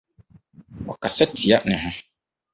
• Ɔkasa tia ne ho